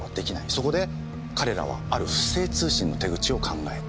そこで彼らはある不正通信の手口を考えた。